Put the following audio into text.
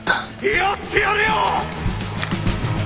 やってやるよ！